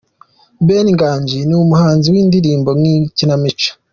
Ben Nganji, ni umuhanzi w’indirimbo n’ikinamico.